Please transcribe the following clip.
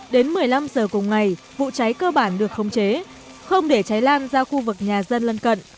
đến một mươi năm giờ cùng ngày vụ cháy cơ bản được khống chế không để cháy lan ra khu vực nhà dân lân cận